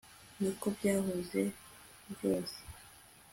niko byahoze ryose